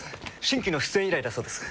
新規の出演依頼だそうです。